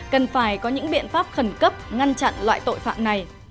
cần phải có những biện pháp khẩn cấp ngăn chặn loại tội phạm này